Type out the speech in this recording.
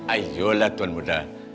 ayolah tuan muda